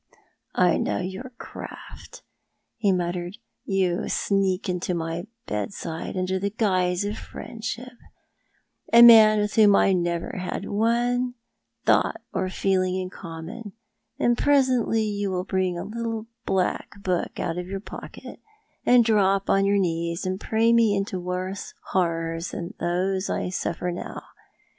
" I know your craft," he muttered. " You sneak to my bed side under the guise of friendship — a man with whom I never had one thought or feeling in common — and presently you will bring a little black book out of your pocket, and drop on your knees, and pray me into worse horrors than those I suffer now.